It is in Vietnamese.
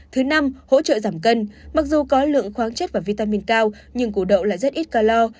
thứ năm hỗ trợ giảm cân mặc dù có lượng khoáng chất và vitamin cao nhưng củ đậu lại rất ít calor